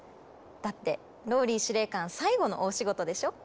だってＲＯＬＬＹ司令官最後の大仕事でしょ？